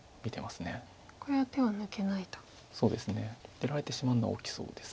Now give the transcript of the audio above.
出られてしまうのは大きそうです。